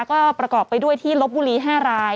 ก็ประกอบไปด้วยที่ลบบุรี๕ราย